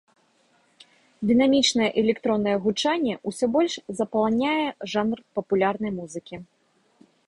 Дынамічнае электроннае гучанне ўсё больш запаланяе жанр папулярнай музыкі.